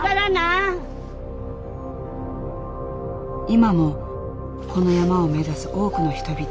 今もこの山を目指す多くの人々。